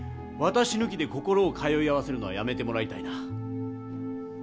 私抜きで心を通い合わせるのはやめてもらいたいな。